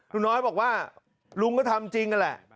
ลุงน้อยบอกว่าลุงก็ทำจริงนั่นแหละ